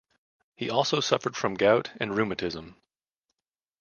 He also suffered from gout and rheumatism.